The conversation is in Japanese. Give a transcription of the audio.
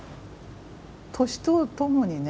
年とともにね